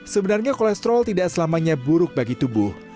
sebenarnya kolesterol tidak selamanya buruk bagi tubuh